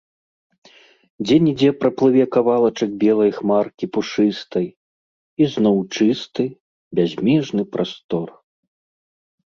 Дзе-нідзе праплыве кавалачак белай хмаркі пушыстай, і зноў чысты, бязмежны прастор.